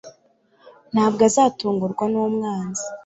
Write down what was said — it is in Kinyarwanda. nta bwo azatungurwa n'umwanzi